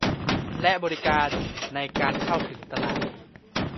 และบริการในการเข้าถึงตลาด